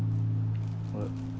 あれ？